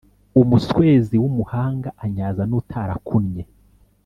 Umuswezi w’umuhanga anyaza n’utarakunnye.